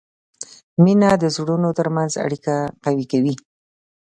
مینه د زړونو ترمنځ اړیکه قوي کوي.